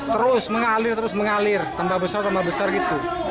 terus mengalir terus mengalir tambah besar tambah besar gitu